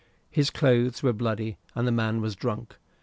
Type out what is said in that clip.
His clothes were bloody, and the man was drunk.